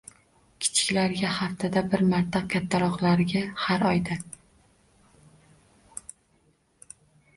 Kichiklarga haftada bir marta, kattaroqlariga har oyda.